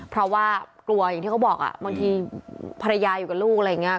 เพราะว่ากลัวอย่างที่เขาบอกบางทีภรรยาอยู่กับลูกอะไรอย่างนี้